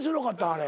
あれ。